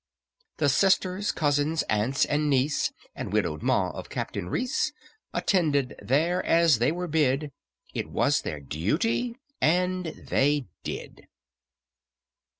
The sisters, cousins, aunts, and niece, And widowed Ma of CAPTAIN REECE, Attended there as they were bid; It was their duty, and they did.